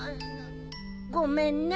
ごめんね。